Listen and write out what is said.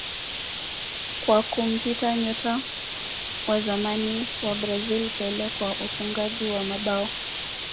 kwa kumpita nyota wa zamani wa Brazil Pele kwa ufungaji wa mabao